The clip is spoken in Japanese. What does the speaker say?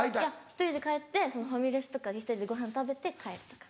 １人で帰ってファミレスとかで１人でごはん食べて帰るとか。